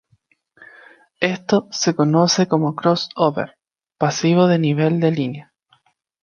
Esto se conoce como crossover pasivo de nivel de línea.